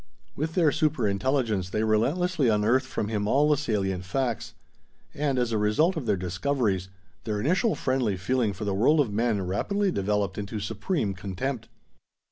With their super intelligence, they relentlessly unearthed from him all the salient facts. And, as a result of their discoveries, their initial friendly feeling for the world of men rapidly developed into supreme contempt.